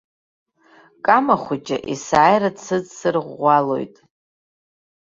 Кама хәыҷы есааира дсыдсырӷәӷәалоит.